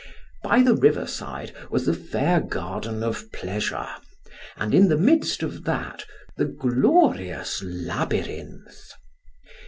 By the river side was the fair garden of pleasure, and in the midst of that the glorious labyrinth.